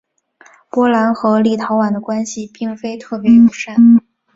波兰和立陶宛的关系并非特别友善。